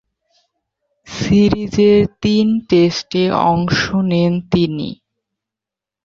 সিরিজের তিন টেস্টে অংশ নেন তিনি।